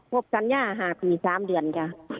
ครบสัญญา๕ปี๓เดือนกะ